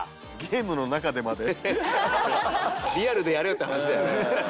リアルでやれよって話だよね。